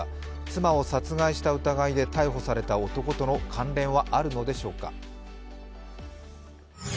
妻を殺害した疑いで逮捕された男との関連はあるのでしょうか。